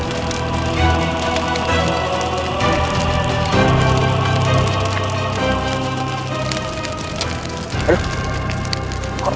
aduh ini terlambat sedikit